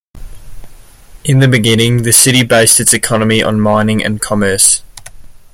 In the beginning the city based its economy on mining and commerce.